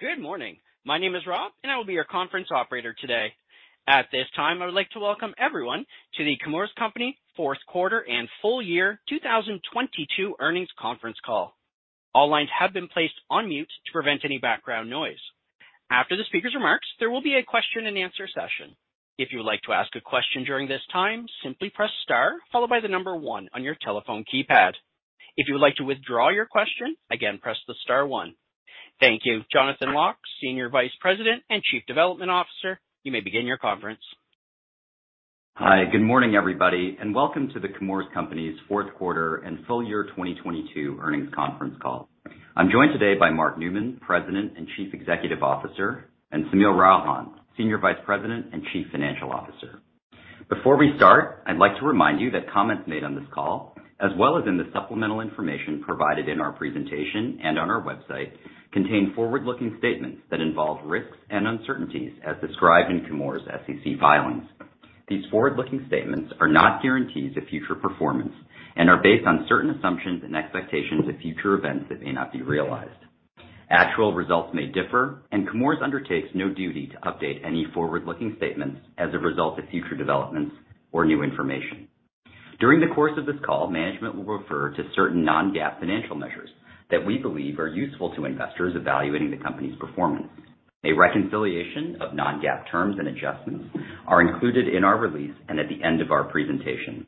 Good morning. My name is Rob, I will be your conference operator today. At this time, I would like to welcome everyone to The Chemours Company fourth quarter and full year 2022 earnings conference call. All lines have been placed on mute to prevent any background noise. After the speaker's remarks, there will be a question-and-answer session. If you would like to ask a question during this time, simply press star followed by one on your telephone keypad. If you would like to withdraw your question, again, press the star one. Thank you. Jonathan Lock, Senior Vice President and Chief Development Officer, you may begin your conference. Hi, good morning, everybody, welcome to The Chemours Company's 4th quarter and full year 2022 earnings conference call. I'm joined today by Mark Newman, President and Chief Executive Officer, and Sameer Ralhan, Senior Vice President and Chief Financial Officer. Before we start, I'd like to remind you that comments made on this call, as well as in the supplemental information provided in our presentation and on our website, contain forward-looking statements that involve risks and uncertainties as described in Chemours' SEC filings. These forward-looking statements are not guarantees of future performance and are based on certain assumptions and expectations of future events that may not be realized. Actual results may differ. Chemours undertakes no duty to update any forward-looking statements as a result of future developments or new information. During the course of this call, management will refer to certain non-GAAP financial measures that we believe are useful to investors evaluating the company's performance. A reconciliation of non-GAAP terms and adjustments are included in our release and at the end of our presentation.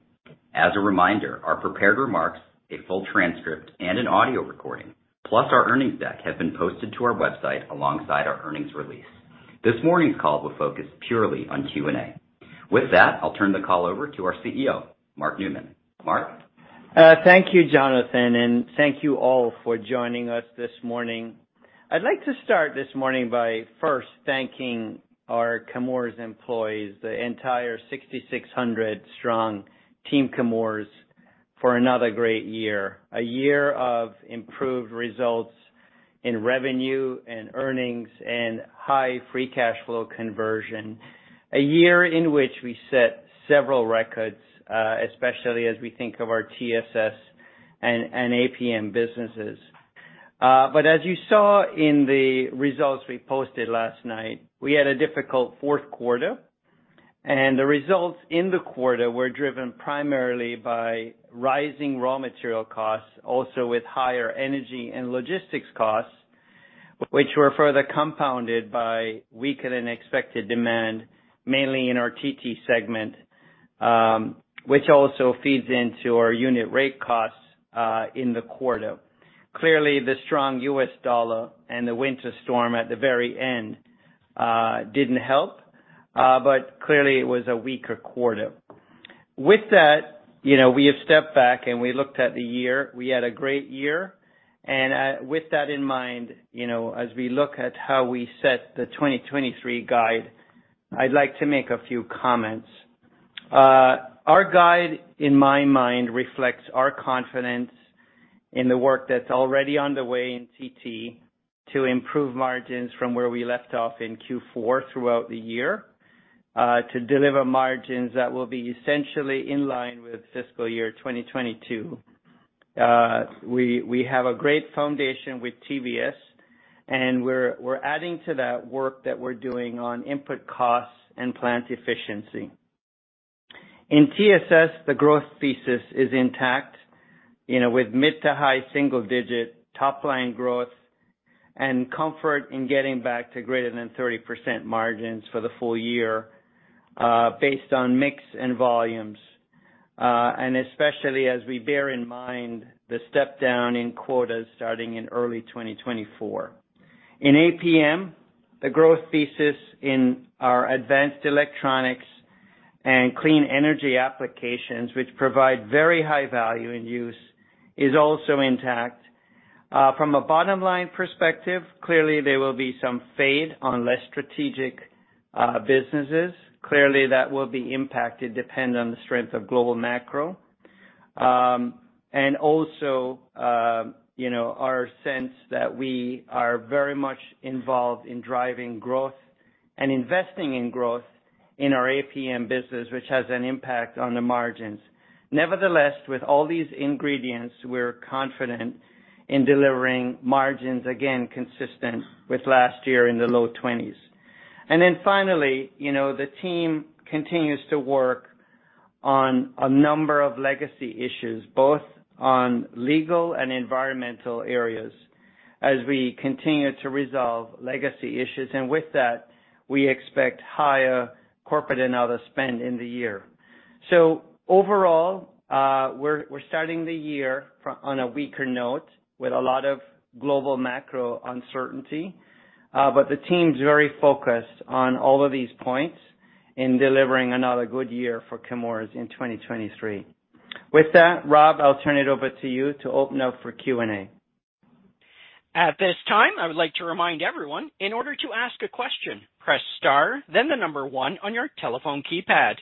As a reminder, our prepared remarks, a full transcript, and an audio recording, plus our earnings deck, have been posted to our website alongside our earnings release. This morning's call will focus purely on Q&A. With that, I'll turn the call over to our CEO, Mark Newman. Mark? Thank you, Jonathan, and thank you all for joining us this morning. I'd like to start this morning by 1st thanking our Chemours employees, the entire 6,600 strong team Chemours for another great year. A year of improved results in revenue and earnings and high free cash flow conversion. A year in which we set several records, especially as we think of our TSS and APM businesses. As you saw in the results we posted last night, we had a difficult 4th quarter, and the results in the quarter were driven primarily by rising raw material costs, also with higher energy and logistics costs, which were further compounded by weaker-than-expected demand, mainly in our TT segment, which also feeds into our unit rate costs in the quarter. Clearly, the strong U.S. dollar and the winter storm at the very end didn't help, but clearly it was a weaker quarter. With that, you know, we have stepped back, and we looked at the year. We had a great year. With that in mind, you know, as we look at how we set the 2023 guide, I'd like to make a few comments. Our guide, in my mind, reflects our confidence in the work that's already on the way in TT to improve margins from where we left off in Q4 throughout the year to deliver margins that will be essentially in line with fiscal year 2022. We have a great foundation with TSS, and we're adding to that work that we're doing on input costs and plant efficiency. In TSS, the growth thesis is intact, you know, with mid to high single-digit top-line growth and comfort in getting back to greater than 30% margins for the full year, based on mix and volumes, and especially as we bear in mind the step down in quotas starting in early 2024. In APM, the growth thesis in our advanced electronics and clean energy applications, which provide very high value end use, is also intact. From a bottom-line perspective, clearly there will be some fade on less strategic businesses. Clearly, that will be impacted depending on the strength of global macro. And also, you know, our sense that we are very much involved in driving growth and investing in growth in our APM business, which has an impact on the margins. Nevertheless, with all these ingredients, we're confident in delivering margins, again, consistent with last year in the low 20s. Then finally, you know, the team continues to work on a number of legacy issues, both on legal and environmental areas, as we continue to resolve legacy issues. With that, we expect higher corporate and other spend in the year. Overall, we're starting the year on a weaker note with a lot of global macro uncertainty, but the team's very focused on all of these points in delivering another good year for Chemours in 2023. With that, Rob, I'll turn it over to you to open up for Q&A. At this time, I would like to remind everyone in order to ask a question, press star, then the number one on your telephone keypad.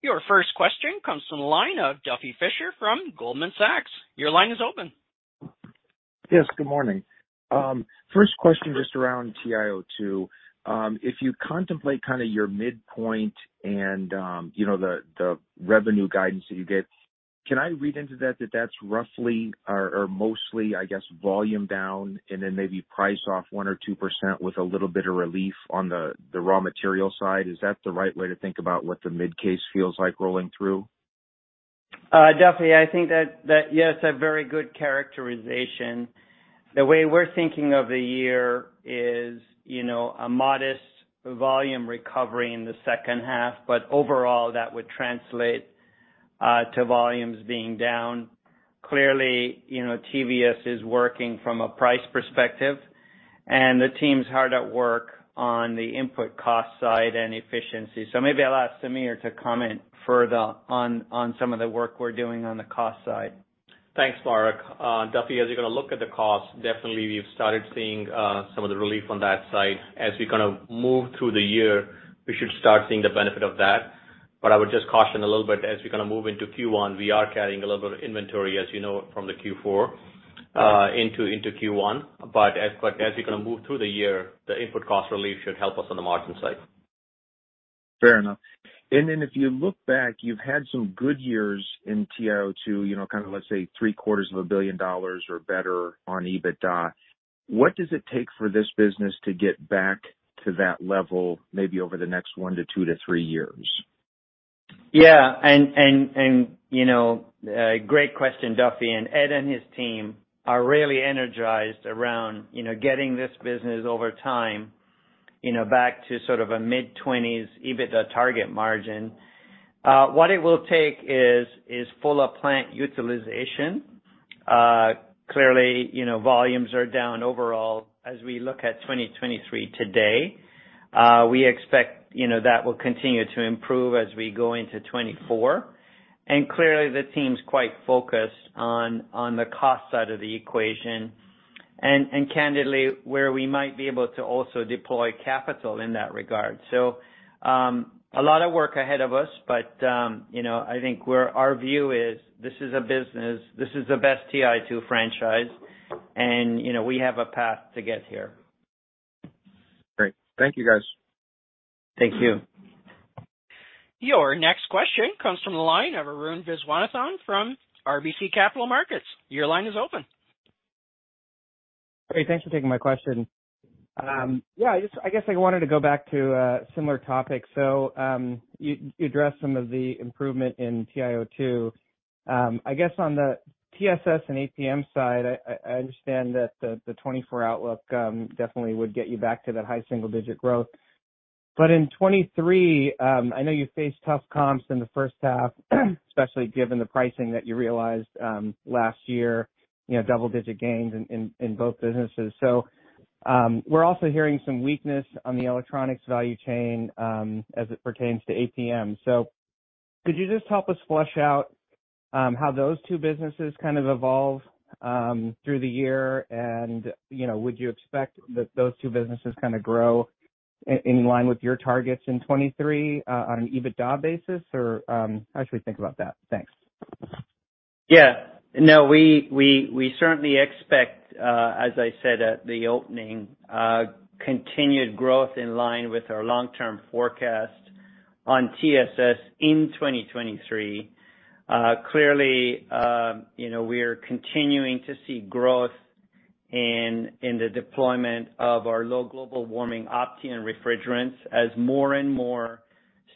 Your 1st question comes from the line of Duffy Fischer from Goldman Sachs. Your line is open. Yes, good morning. First question just around TiO₂. If you contemplate kinda your midpoint and, you know, the revenue guidance that you give. Can I read into that that's roughly or mostly, I guess, volume down and then maybe price off 1% or 2% with a little bit of relief on the raw material side? Is that the right way to think about what the mid-case feels like rolling through? Duffy, I think that, yes, a very good characterization. The way we're thinking of the year is, you know, a modest volume recovery in the 2nd half, but overall that would translate to volumes being down. Clearly, you know, TSS is working from a price perspective, and the team's hard at work on the input cost side and efficiency. Maybe I'll ask Sameer to comment further on some of the work we're doing on the cost side. Thanks, Mark. Duffy, as you're gonna look at the cost, definitely we've started seeing some of the relief on that side. As we kind of move through the year, we should start seeing the benefit of that. I would just caution a little bit as we kind of move into Q1, we are carrying a little bit of inventory, as you know, from the Q4 into Q1. As you kind of move through the year, the input cost relief should help us on the margin side. Fair enough. Then if you look back, you've had some good years in TiO₂, you know, kind of, let's say $3.25 billion or better on EBITDA. What does it take for this business to get back to that level, maybe over the next one to two to three years? Yeah, you know, great question, Duffy. Ed and his team are really energized around, you know, getting this business over time, you know, back to sort of a mid-20s EBITDA target margin. What it will take is full of plant utilization. Clearly, you know, volumes are down overall as we look at 2023 today. We expect, you know, that will continue to improve as we go into 2024. Clearly the team's quite focused on the cost side of the equation. Candidly, where we might be able to also deploy capital in that regard. A lot of work ahead of us, but, you know, I think where our view is this is a business, this is the best TiO₂ franchise, and, you know, we have a path to get here. Great. Thank you, guys. Thank you. Your next question comes from the line of Arun Viswanathan from RBC Capital Markets. Your line is open. Great. Thanks for taking my question. Yeah, I just, I guess I wanted to go back to a similar topic. You, you addressed some of the improvement in TiO₂. I guess on the TSS and APM side, I understand that the 2024 outlook definitely would get you back to that high single-digit growth. But in 2023, I know you faced tough comps in the 1st half, especially given the pricing that you realized last year, you know, double-digit gains in both businesses. We're also hearing some weakness on the electronics value chain as it pertains to APM. Could you just help us flush out how those two businesses kind of evolve through the year? You know, would you expect that those two businesses kinda grow in line with your targets in 2023 on an EBITDA basis? How should we think about that? Thanks. No, we certainly expect, as I said at the opening, continued growth in line with our long-term forecast on TSS in 2023. Clearly, you know, we are continuing to see growth in the deployment of our low global warming Opteon refrigerants as more and more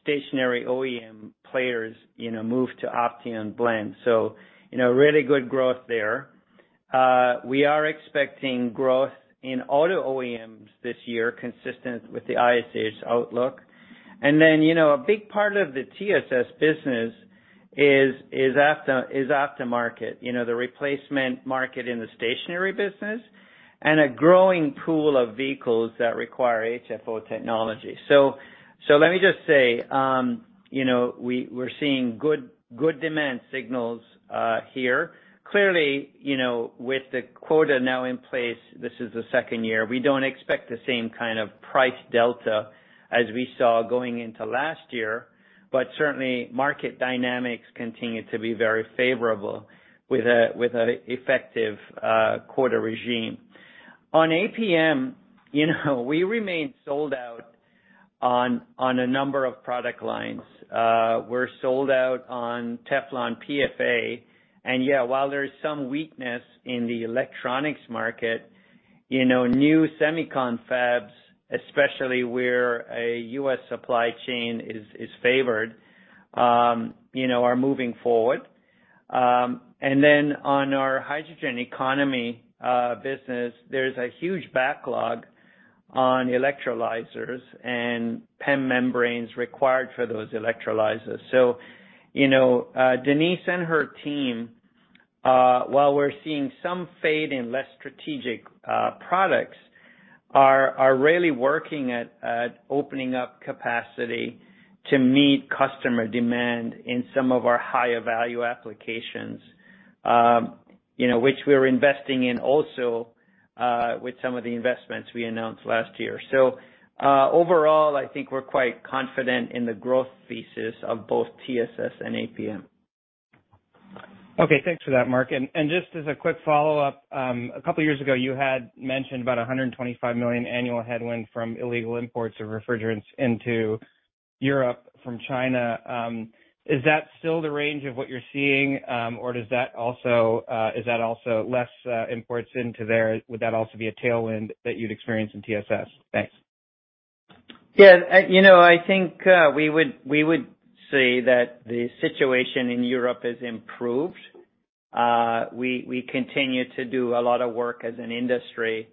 stationary OEM players, you know, move to Opteon blend. You know, really good growth there. We are expecting growth in auto OEMs this year consistent with the IHS outlook. You know, a big part of the TSS business is aftermarket, you know, the replacement market in the stationary business and a growing pool of vehicles that require HFO technology. So let me just say, you know, we're seeing good demand signals here. Clearly, you know, with the quota now in place, this is the 2nd year, we don't expect the same kind of price delta as we saw going into last year. Certainly market dynamics continue to be very favorable with a effective quota regime. On APM, you know, we remain sold out on a number of product lines. We're sold out on Teflon PFA. Yeah, while there is some weakness in the electronics market, you know, new semicon fabs, especially where a U.S. supply chain is favored, you know, are moving forward. On our hydrogen economy business, there's a huge backlog on electrolyzers and PEM membranes required for those electrolyzers. You know, Denise and her team, while we're seeing some fade in less strategic products are really working at opening up capacity to meet customer demand in some of our higher value applications, you know, which we're investing in also, with some of the investments we announced last year. Overall, I think we're quite confident in the growth thesis of both TSS and APM. Okay. Thanks for that, Mark. Just as a quick follow-up, a couple years ago, you had mentioned about $125 million annual headwind from illegal imports of refrigerants into Europe from China. Is that still the range of what you're seeing? Is that also less imports into there? Would that also be a tailwind that you'd experience in TSS? Thanks. Yeah. You know, I think, we would say that the situation in Europe has improved. We continue to do a lot of work as an industry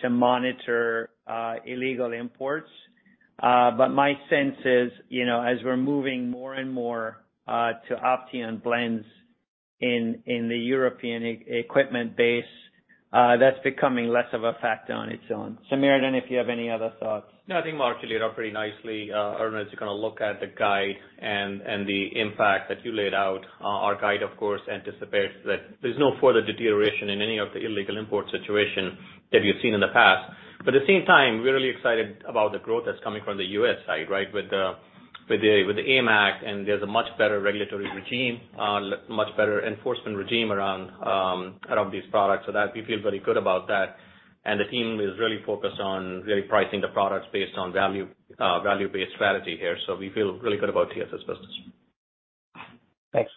to monitor, illegal imports. My sense is, you know, as we're moving more and more to Opteon blends in the European e-equipment base, that's becoming less of a factor on its own. Sameer, I don't know if you have any other thoughts. No, I think Mark laid it out pretty nicely. Ernest, you kinda look at the guide and the impact that you laid out. Our guide, of course, anticipates that there's no further deterioration in any of the illegal import situation that we've seen in the past. At the same time, we're really excited about the growth that's coming from the U.S. side, right? With the AIM Act, and there's a much better regulatory regime, much better enforcement regime around these products, so that we feel very good about that. And the team is really focused on really pricing the products based on value-based strategy here. We feel really good about TSS business. Thanks.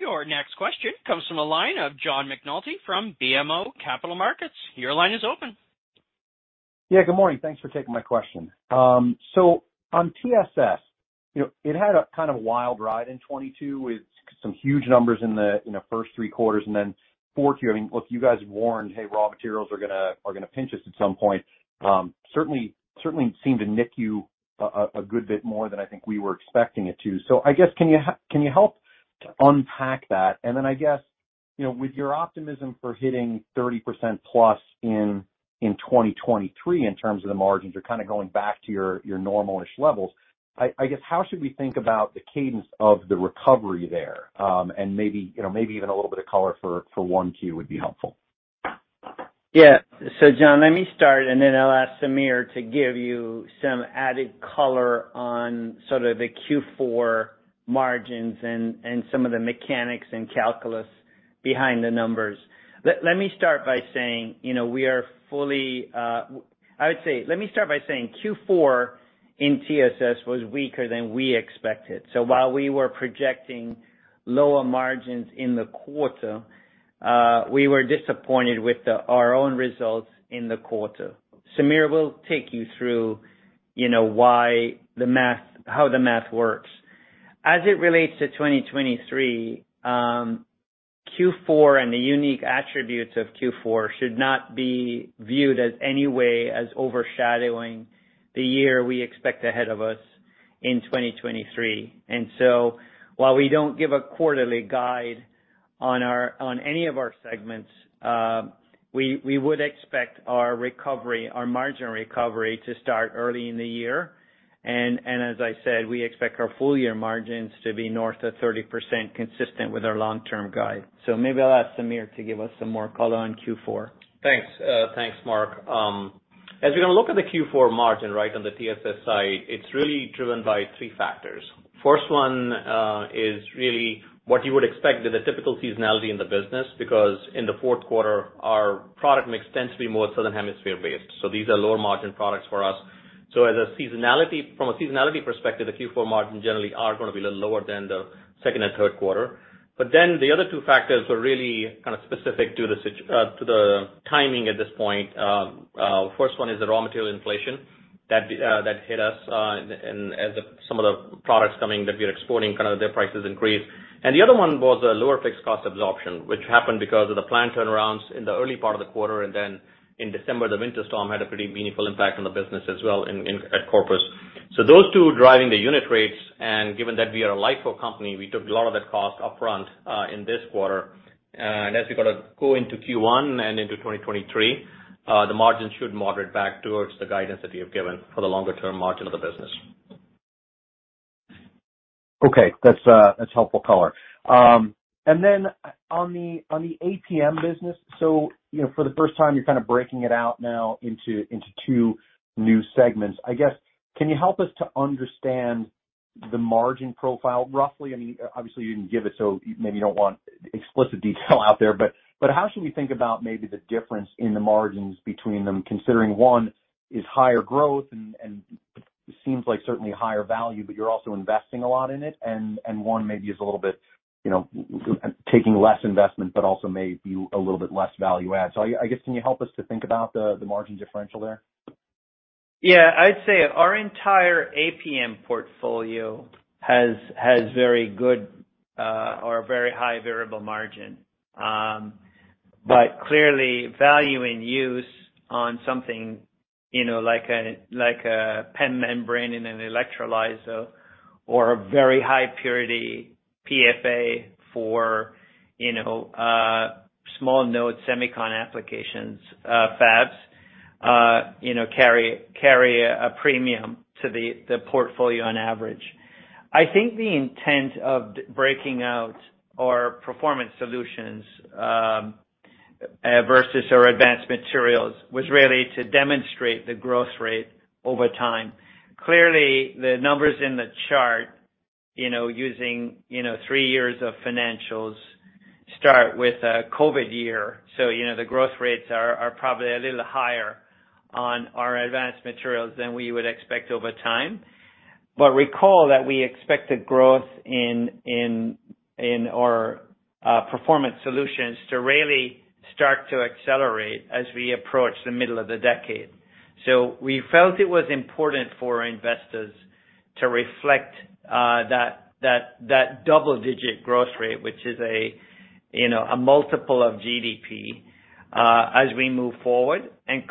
Your next question comes from the line of John McNulty from BMO Capital Markets. Your line is open. Yeah, good morning. Thanks for taking my question. On TSS, you know, it had a kind of wild ride in 2022, with some huge numbers in the, you know, 1st three quarters and then 4th quarter. I mean, look, you guys warned, "Hey, raw materials are gonna pinch us at some point." Certainly seemed to nick you a good bit more than I think we were expecting it to. I guess, can you help unpack that? I guess, you know, with your optimism for hitting 30% plus in 2023 in terms of the margins, you're kinda going back to your normal-ish levels. I guess, how should we think about the cadence of the recovery there? Maybe, you know, maybe even a little bit of color for 1Q would be helpful. Yeah. John, let me start, and then I'll ask Sameer to give you some added color on sort of the Q4 margins and some of the mechanics and calculus behind the numbers. Let me start by saying, you know, we are fully. Let me start by saying Q4 in TSS was weaker than we expected. While we were projecting lower margins in the quarter, we were disappointed with our own results in the quarter. Sameer will take you through, you know, how the math works. As it relates to 2023, Q4 and the unique attributes of Q4 should not be viewed as any way as overshadowing the year we expect ahead of us in 2023. While we don't give a quarterly guide on our-- on any of our segments, we would expect our recovery, our margin recovery to start early in the year. As I said, we expect our full year margins to be north of 30% consistent with our long-term guide. Maybe I'll ask Sameer, to give us some more color on Q4. Thanks. Thanks, Mark. As we look at the Q4 margin, right, on the TSS side, it's really driven by three factors. First one is really what you would expect with a typical seasonality in the business, because in the 4th quarter, our product mix tends to be more Southern Hemisphere based. These are lower margin products for us. From a seasonality perspective, the Q4 margin generally are gonna be a little lower than the 2nd and 3rd quarter. The other two factors were really kind of specific to the timing at this point. 1st one is the raw material inflation that hit us in, as some of the products coming that we are exporting, kind of their prices increased. The other one was a lower fixed cost absorption, which happened because of the plant turnarounds in the early part of the quarter. In December, the winter storm had a pretty meaningful impact on the business as well at Corpus. Those two driving the unit rates, and given that we are a LIFO company, we took a lot of that cost up front in this quarter. As we gotta go into Q1 and into 2023, the margin should moderate back towards the guidance that we have given for the longer-term margin of the business. Okay. That's helpful color. On the APM business, you know, for the 1st time, you're kind of breaking it out now into two new segments. I guess, can you help us to understand the margin profile roughly? I mean, obviously, you didn't give it, so maybe you don't want explicit detail out there. How should we think about maybe the difference in the margins between them, considering one is higher growth and seems like certainly higher value, but you're also investing a lot in it, and one maybe is a little bit, you know, taking less investment, but also may be a little bit less value add. I guess, can you help us to think about the margin differential there? Yeah. I'd say our entire APM portfolio has very good or very high variable margin. Clearly value and use on something, you know, like a PEM membrane in an electrolyzer or a very high purity PFA for, you know, small node semicon applications, fabs, you know, carry a premium to the portfolio on average. I think the intent of breaking out our performance solutions versus our advanced materials was really to demonstrate the growth rate over time. Clearly, the numbers in the chart, you know, using, you know, three years of financials start with a COVID year. You know, the growth rates are probably a little higher on our advanced materials than we would expect over time. Recall that we expected growth in our performance solutions to really start to accelerate as we approach the middle of the decade. We felt it was important for investors to reflect that double-digit growth rate, which is a, you know, a multiple of GDP, as we move forward.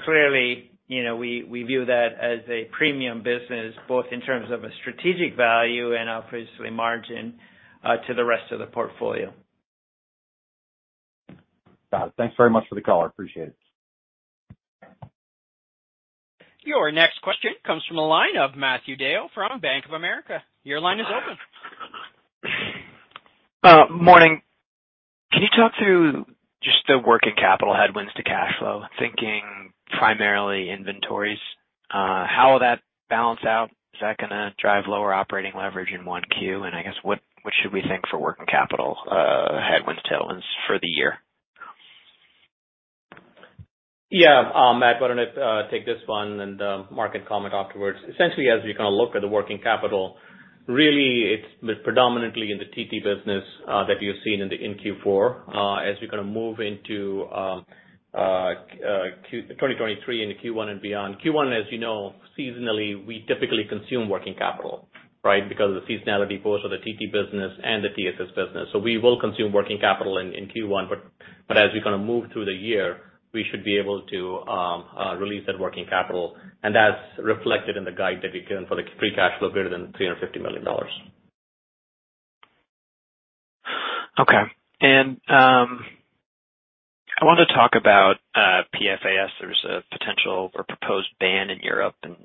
Clearly, you know, we view that as a premium business, both in terms of a strategic value and obviously margin, to the rest of the portfolio. Got it. Thanks very much for the call. I appreciate it. Your next question comes from a line of Matthew DeYoe from Bank of America. Your line is open. Morning. Can you talk through just the working capital headwinds to cash flow, thinking primarily inventories? How will that balance out? Is that gonna drive lower operating leverage in 1Q? I guess what should we think for working capital headwinds, tailwinds for the year? Yeah, Matt, why don't I take this one and Mark can comment afterwards. Essentially, as we kind of look at the working capital, really it's predominantly in the TT business that you've seen in Q4. As we kind of move into 2023 into Q1 and beyond. Q1, as you know, seasonally, we typically consume working capital, right? Because of the seasonality both of the TT business and the TSS business. We will consume working capital in Q1, but as we kind of move through the year, we should be able to release that working capital. That's reflected in the guide that we've given for the free cash flow greater than $350 million. Okay. I want to talk about PFAS. There's a potential or proposed ban in Europe, and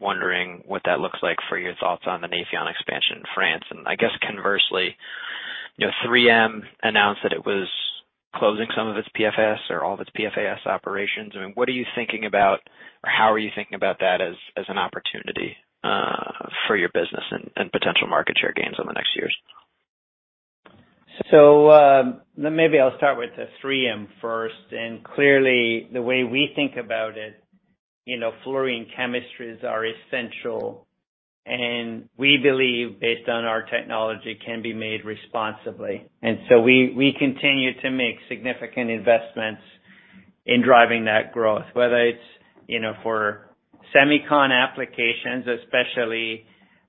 wondering what that looks like for your thoughts on the Nafion expansion in France. I guess conversely, you know, 3M announced that it was closing some of its PFAS or all of its PFAS operations. I mean, what are you thinking about or how are you thinking about that as an opportunity for your business and potential market share gains over the next years? Maybe I'll start with the 3M 1st. Clearly, the way we think about it, you know, fluorine chemistries are essential, and we believe, based on our technology, can be made responsibly. We, we continue to make significant investments in driving that growth, whether it's, you know, for semicon applications, especially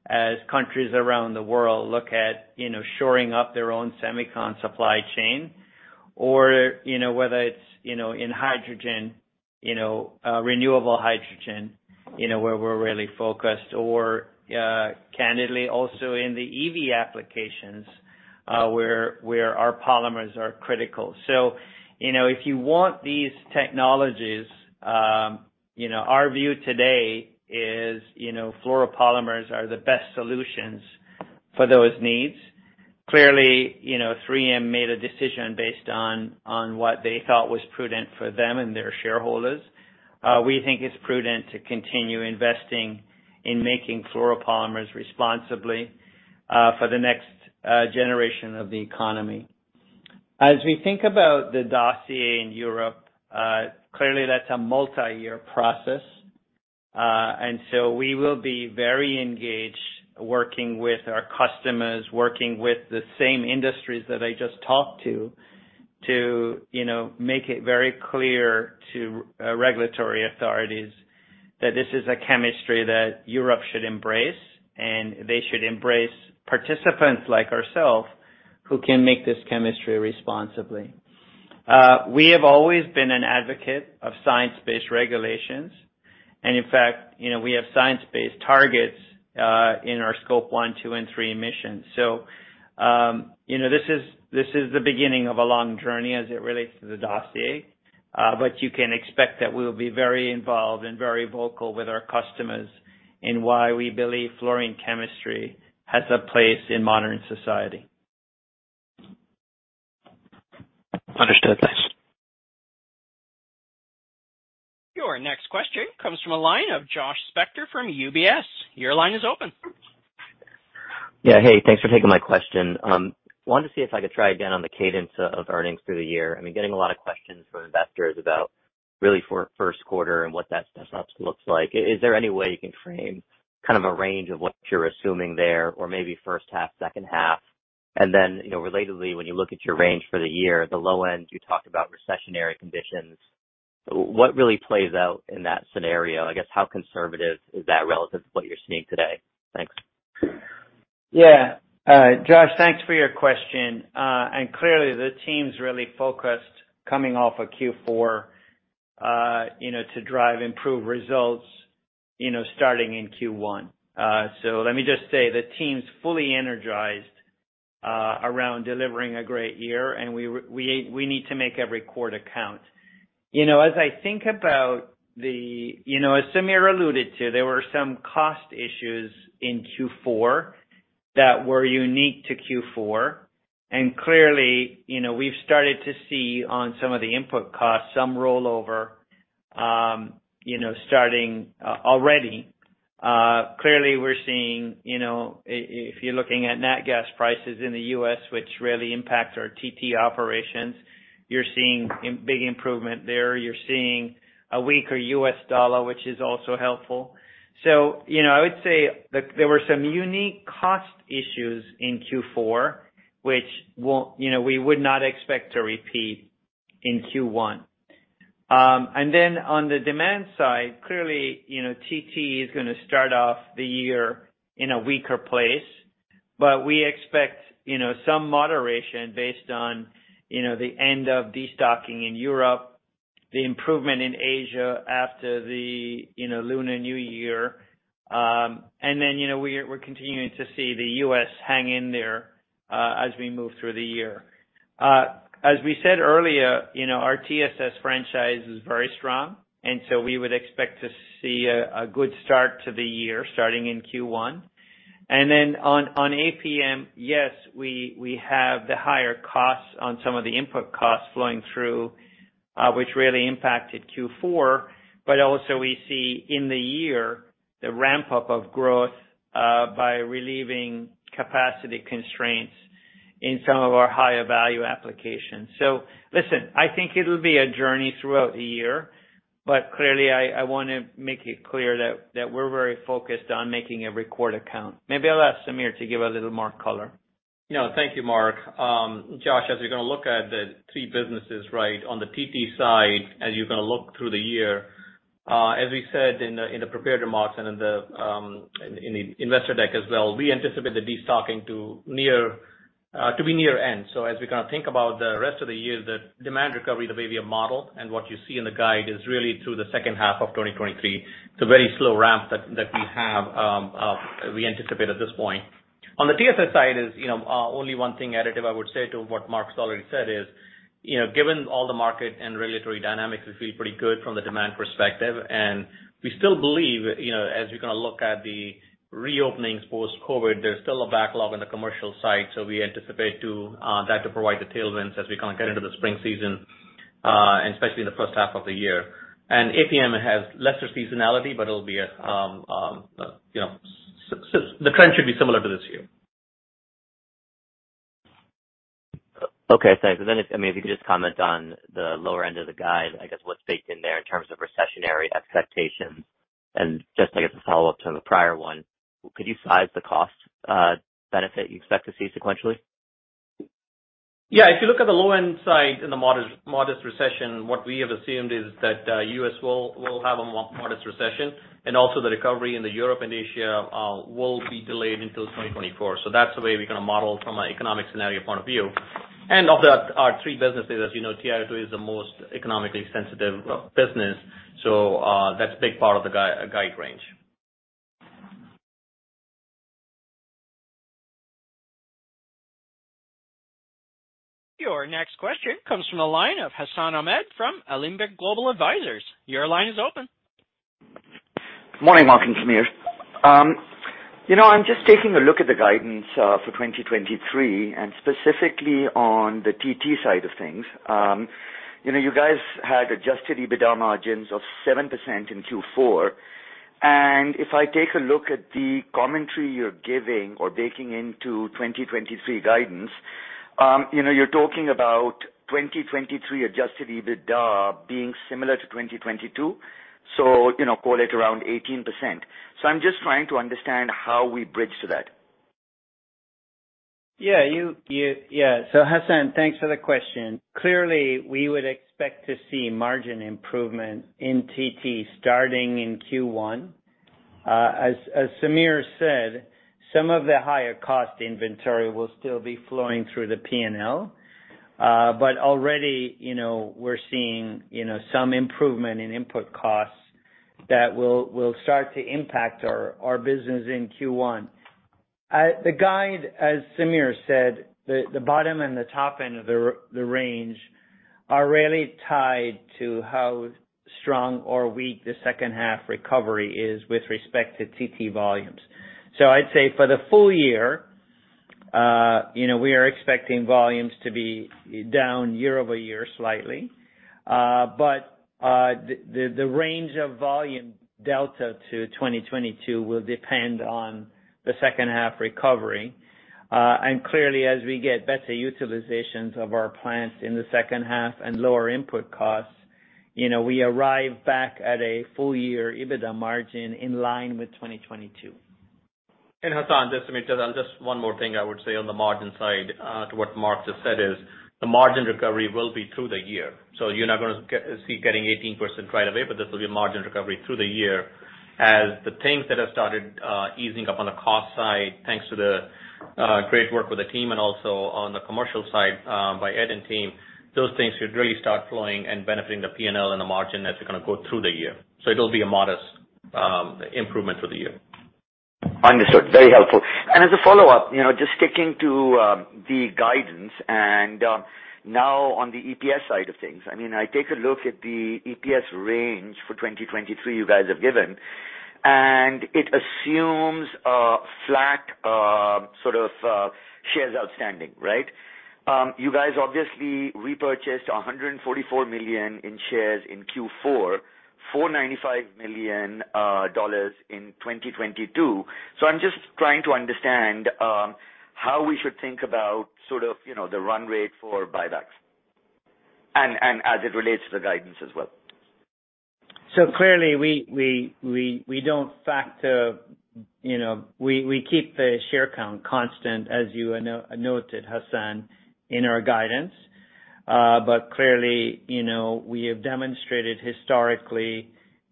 as countries around the world look at, you know, shoring up their own semicon supply chain or, you know, whether it's, you know, in hydrogen, you know, renewable hydrogen, you know, where we're really focused or, candidly also in the EV applications, where our polymers are critical. If you want these technologies, you know, our view today is, you know, fluoropolymers are the best solutions for those needs. Clearly, you know, 3M made a decision based on what they thought was prudent for them and their shareholders. We think it's prudent to continue investing in making fluoropolymers responsibly for the next generation of the economy. As we think about the dossier in Europe, clearly that's a multi-year process. We will be very engaged working with our customers, working with the same industries that I just talked to, you know, make it very clear to regulatory authorities that this is a chemistry that Europe should embrace, and they should embrace participants like ourselves who can make this chemistry responsibly. We have always been an advocate of science-based regulations, and in fact, you know, we have science-based targets in our scope one, two, and three emissions. you know, this is the beginning of a long journey as it relates to the dossier, but you can expect that we will be very involved and very vocal with our customers in why we believe fluorine chemistry has a place in modern society. Understood. Thanks. Your next question comes from a line of Josh Spector from UBS. Your line is open. Yeah. Hey, thanks for taking my question. Wanted to see if I could try again on the cadence of earnings through the year. I mean, getting a lot of questions from investors about really for 1st quarter and what that step-ups looks like. Is there any way you can frame kind of a range of what you're assuming there or maybe 1st half, 2nd half? You know, relatedly, when you look at your range for the year, the low end, you talked about recessionary conditions. What really plays out in that scenario? I guess how conservative is that relative to what you're seeing today? Thanks. Yeah. Josh, thanks for your question. Clearly the team's really focused coming off of Q4, you know, to drive improved results, you know, starting in Q1. Let me just say the team's fully energized around delivering a great year, and we need to make every quarter count. You know, as I think about the. You know, as Sameer alluded to, there were some cost issues in Q4. That were unique to Q4. Clearly, you know, we've started to see on some of the input costs, some rollover, you know, starting already. Clearly we're seeing, you know, if you're looking at nat gas prices in the U.S., which really impacts our TT operations, you're seeing big improvement there. You're seeing a weaker U.S. dollar, which is also helpful. I would say that there were some unique cost issues in Q4, which won't, you know, we would not expect to repeat in Q1. On the demand side, clearly, you know, TT is gonna start off the year in a weaker place. We expect, you know, some moderation based on, you know, the end of destocking in Europe, the improvement in Asia after the, you know, Lunar New Year. You know, we're continuing to see the U.S. hang in there as we move through the year. As we said earlier, you know, our TSS franchise is very strong, and so we would expect to see a good start to the year starting in Q1. On APM, yes, we have the higher costs on some of the input costs flowing through, which really impacted Q4. Also we see in the year the ramp-up of growth by relieving capacity constraints in some of our higher value applications. Listen, I think it'll be a journey throughout the year, but clearly I wanna make it clear that we're very focused on making every quarter count. Maybe I'll ask Sameer to give a little more color. No, thank you, Mark. Josh, as you're gonna look at the three businesses, right? On the TT side, as you're gonna look through the year, as we said in the, in the prepared remarks and in the, in the investor deck as well, we anticipate the destocking to near to be near end. As we kinda think about the rest of the year, the demand recovery, the way we have modeled and what you see in the guide is really through the 2nd half of 2023. It's a very slow ramp that we have, we anticipate at this point. On the TSS side is, you know, only one thing additive I would say to what Mark's already said is, you know, given all the market and regulatory dynamics, we feel pretty good from the demand perspective. We still believe, you know, as you kinda look at the reopenings post-COVID, there's still a backlog on the commercial side. We anticipate to that to provide the tailwinds as we kinda get into the spring season and especially in the 1st half of the year. APM has lesser seasonality, but it'll be a, you know, the trend should be similar to this year. Okay, thanks. I mean, if you could just comment on the lower end of the guide, I guess what's baked in there in terms of recessionary expectations. Just, I guess, a follow-up to the prior one, could you size the cost benefit you expect to see sequentially? If you look at the low end side in the modest recession, what we have assumed is that U.S. will have a modest recession, and also the recovery in Europe and Asia will be delayed until 2024. That's the way we kinda model from an economic scenario point of view. Of the, our three businesses, as you know, TT is the most economically sensitive business, so that's a big part of the guide range. Your next question comes from the line of Hassan Ahmed from Alembic Global Advisors. Your line is open. Morning, Mark and Sameer. you know, I'm just taking a look at the guidance, for 2023, and specifically on the TT side of things. you know, you guys had adjusted EBITDA margins of 7% in Q4. If I take a look at the commentary you're giving or baking into 2023 guidance, you know, you're talking about 2023 adjusted EBITDA being similar to 2022, so, you know, call it around 18%. I'm just trying to understand how we bridge to that? Hassan, thanks for the question. Clearly, we would expect to see margin improvement in TT starting in Q1. as Sameer said, some of the higher cost inventory will still be flowing through the P&L. Already, you know, we're seeing, you know, some improvement in input costs that will start to impact our business in Q1. The guide, as Sameer said, the bottom and the top end of the range are really tied to how strong or weak the 2nd half recovery is with respect to TT volumes. I'd say for the full year, you know, we are expecting volumes to be down year-over-year slightly. The range of volume delta to 2022 will depend on the 2nd half recovery. Clearly, as we get better utilizations of our plants in the 2nd half and lower input costs, you know, we arrive back at a full year EBITDA margin in line with 2022. Hassan, Just one more thing I would say on the margin side, to what Mark just said is the margin recovery will be through the year. You're not see getting 18% right away, but this will be a margin recovery through the year. As the things that have started easing up on the cost side, thanks to the great work with the team and also on the commercial side, by Ed and team, those things should really start flowing and benefiting the P&L and the margin as we kinda go through the year. It'll be a modest improvement for the year. Understood. Very helpful. As a follow-up, you know, just sticking to the guidance. On the EPS side of things, I mean, I take a look at the EPS range for 2023 you guys have given, and it assumes a flat sort of shares outstanding, right? You guys obviously repurchased $144 million in shares in Q4, $495 million in 2022. I'm just trying to understand how we should think about sort of, you know, the run rate for buybacks and as it relates to the guidance as well. clearly we don't factor, you know. We keep the share count constant, as you noted, Hassan, in our guidance. clearly, you know, we have demonstrated historically,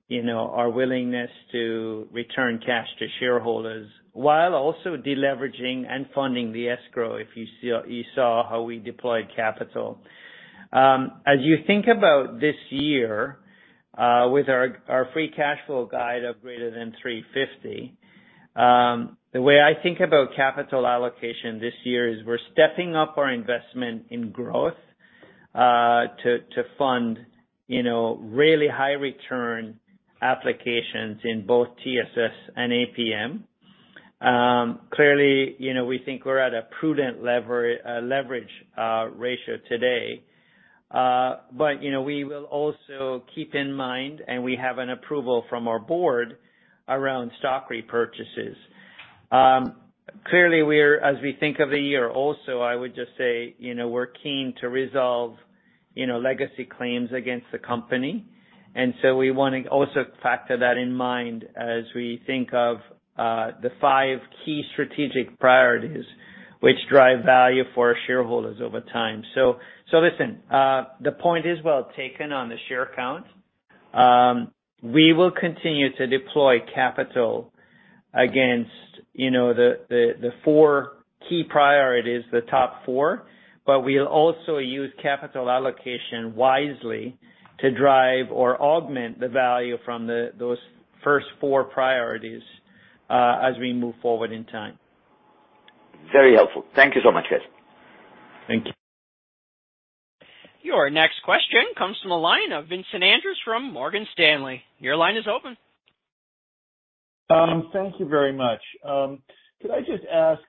you know, our willingness to return cash to shareholders while also deleveraging and funding the escrow, if you saw how we deployed capital. As you think about this year, with our free cash flow guide of greater than $350 million, the way I think about capital allocation this year is we're stepping up our investment in growth, to fund, you know, really high return applications in both TSS and APM. clearly, you know, we think we're at a prudent leverage ratio today. But, you know, we will also keep in mind, and we have an approval from our Board around stock repurchases. Clearly, as we think of the year also, I would just say, you know, we're keen to resolve, you know, legacy claims against the company. We wanna also factor that in mind as we think of the five key strategic priorities which drive value for our shareholders over time. Listen, the point is well taken on the share count. We will continue to deploy capital against, you know, the four key priorities, the top four, but we'll also use capital allocation wisely to drive or augment the value from those 1st four priorities as we move forward in time. Very helpful. Thank you so much, guys. Thank you. Your next question comes from the line of Vincent Andrews from Morgan Stanley. Your line is open. Thank you very much. Could I just ask,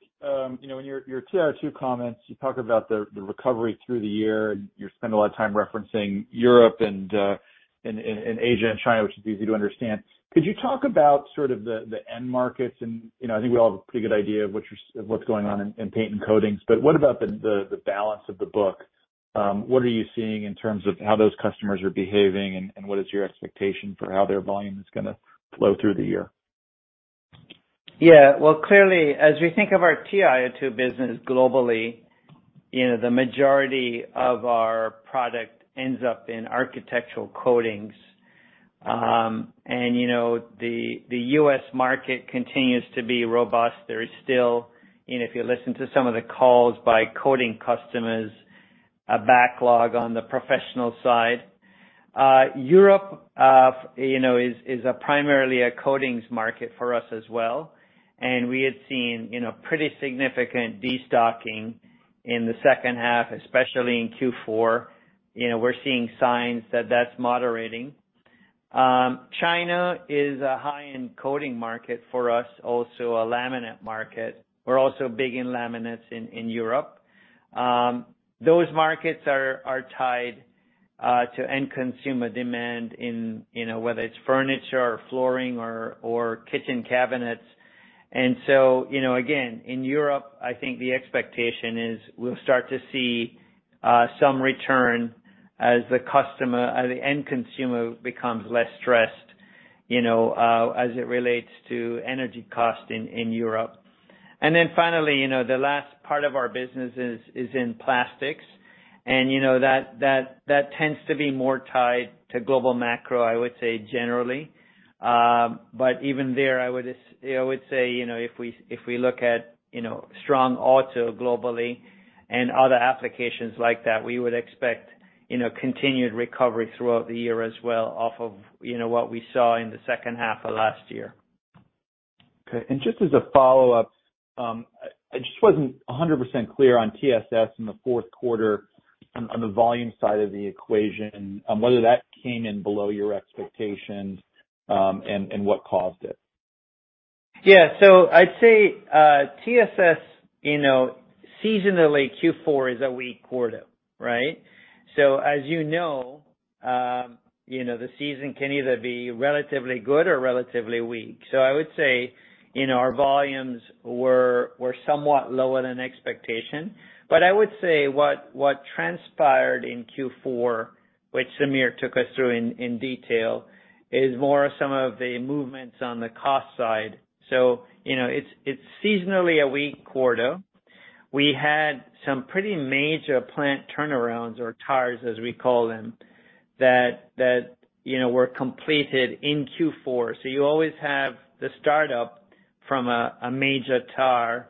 you know, in your TiO₂ comments, you talk about the recovery through the year, and you spend a lot of time referencing Europe and Asia and China, which is easy to understand. Could you talk about sort of the end markets and, you know, I think we all have a pretty good idea of what's going on in paint and coatings, but what about the balance of the book? What are you seeing in terms of how those customers are behaving, and what is your expectation for how their volume is gonna flow through the year? Yeah. Well, clearly, as we think of our TiO₂ business globally, you know, the majority of our product ends up in architectural coatings. You know, the U.S. market continues to be robust. There is still, and if you listen to some of the calls by coating customers, a backlog on the professional side. Europe, you know, is a primarily a coatings market for us as well. We had seen, you know, pretty significant destocking in the 2nd half, especially in Q4. You know, we're seeing signs that that's moderating. China is a high-end coating market for us, also a laminate market. We're also big in laminates in Europe. Those markets are tied to end consumer demand in, you know, whether it's furniture or flooring or kitchen cabinets. You know, again, in Europe, I think the expectation is we'll start to see some return as the end consumer becomes less stressed, you know, as it relates to energy cost in Europe. Finally, you know, the last part of our business is in plastics. You know, that tends to be more tied to global macro, I would say generally. But even there, you know, I would say, you know, if we look at, you know, strong auto globally and other applications like that, we would expect, you know, continued recovery throughout the year as well off of, you know, what we saw in the 2nd half of last year. Okay. Just as a follow-up, I just wasn't 100% clear on TSS in the 4th quarter on the volume side of the equation, whether that came in below your expectations, and what caused it? Yeah. I'd say, TSS, you know, seasonally, Q4 is a weak quarter, right? As you know, you know, the season can either be relatively good or relatively weak. I would say, you know, our volumes were somewhat lower than expectation. I would say what transpired in Q4, which Sameer took us through in detail, is more some of the movements on the cost side. You know, it's seasonally a weak quarter. We had some pretty major plant turnarounds or TARS, as we call them, that, you know, were completed in Q4. You always have the startup from a major TAR.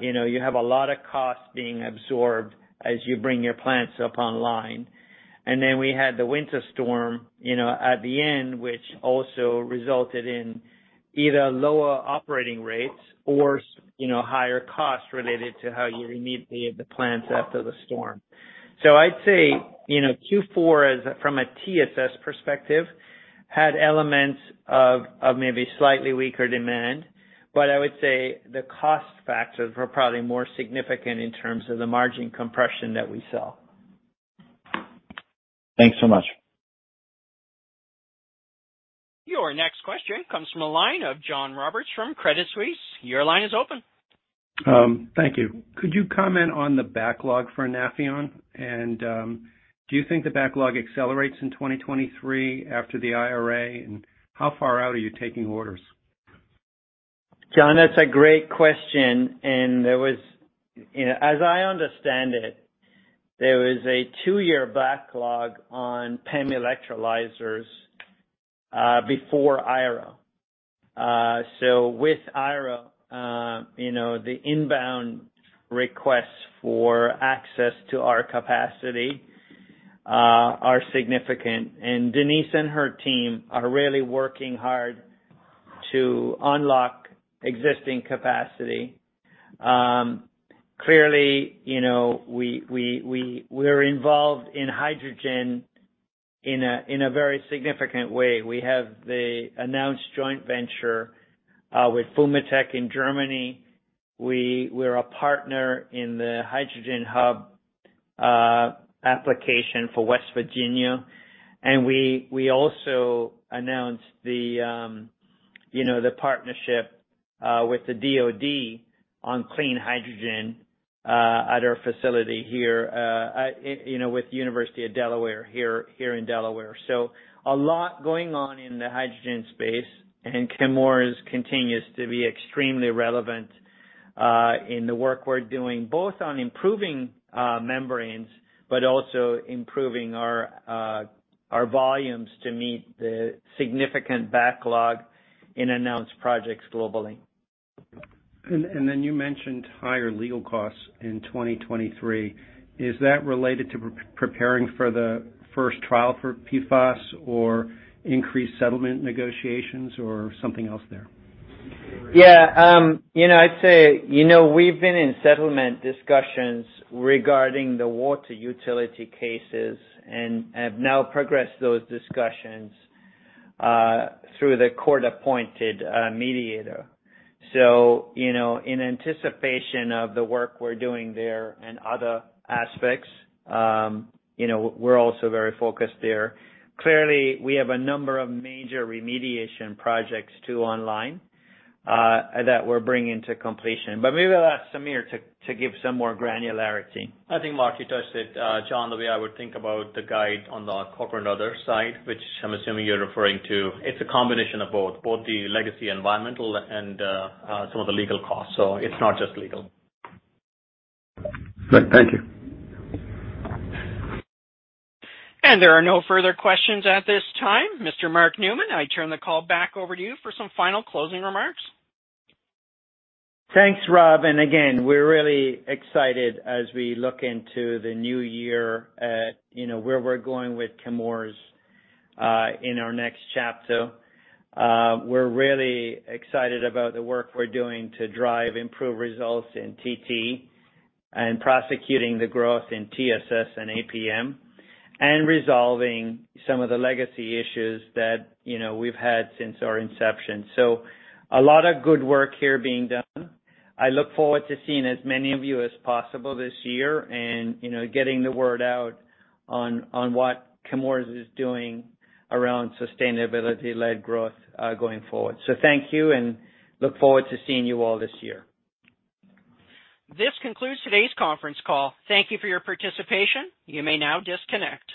You know, you have a lot of costs being absorbed as you bring your plants up online. We had the winter storm, you know, at the end, which also resulted in either lower operating rates or, you know, higher costs related to how you remediate the plants after the storm. I'd say, you know, Q4 from a TSS perspective, had elements of maybe slightly weaker demand, but I would say the cost factors were probably more significant in terms of the margin compression that we saw. Thanks so much. Your next question comes from a line of John Roberts from Credit Suisse. Your line is open. Thank you. Could you comment on the backlog for Nafion? Do you think the backlog accelerates in 2023 after the IRA? How far out are you taking orders? John, that's a great question. You know, as I understand it, there was a 2-year backlog on PEM electrolyzers before IRA. With IRA, you know, the inbound requests for access to our capacity are significant. Denise and her team are really working hard to unlock existing capacity. Clearly, you know, we're involved in hydrogen in a very significant way. We have the announced joint venture with FUMATECH in Germany. We're a partner in the Hydrogen Hub application for West Virginia. We also announced the, you know, the partnership with the DOD on clean hydrogen at our facility here, you know, with the University of Delaware here in Delaware. A lot going on in the hydrogen space, and Chemours continues to be extremely relevant in the work we're doing, both on improving membranes, but also improving our volumes to meet the significant backlog in announced projects globally. You mentioned higher legal costs in 2023. Is that related to preparing for the 1st trial for PFAS or increased settlement negotiations or something else there? Yeah. you know, I'd say, you know, we've been in settlement discussions regarding the water utility cases and have now progressed those discussions through the court-appointed mediator. you know, in anticipation of the work we're doing there and other aspects, you know, we're also very focused there. Clearly, we have a number of major remediation projects too online that we're bringing to completion. maybe I'll ask Sameer to give some more granularity. I think Mark touched it, John. The way I would think about the guide on the corporate and other side, which I'm assuming you're referring to, it's a combination of both the legacy environmental and, some of the legal costs. It's not just legal. Good. Thank you. There are no further questions at this time. Mr. Mark Newman, I turn the call back over to you for some final closing remarks. Thanks, Rob. Again, we're really excited as we look into the new year at, you know, where we're going with Chemours in our next chapter. We're really excited about the work we're doing to drive improved results in TT and prosecuting the growth in TSS and APM and resolving some of the legacy issues that, you know, we've had since our inception. A lot of good work here being done. I look forward to seeing as many of you as possible this year and, you know, getting the word out on what Chemours is doing around sustainability-led growth going forward. Thank you, and look forward to seeing you all this year. This concludes today's conference call. Thank you for your participation. You may now disconnect.